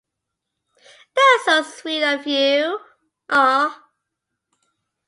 That's so sweet of you!